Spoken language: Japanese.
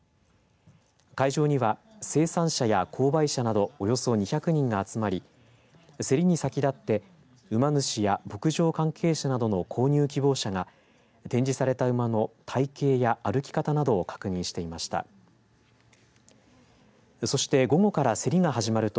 会場には、生産者や購買者などおよそ２００人が集まりせりに先立って馬主や牧場関係者などの購入希望者が展示された馬の体型や歩き方などを確認していました。